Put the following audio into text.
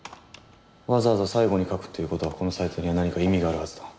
わざわざ最後に書くっていう事はこのサイトには何か意味があるはずだ。